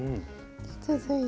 続いて。